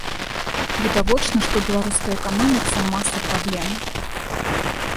Відавочна, што ў беларускай эканоміцы маса праблем.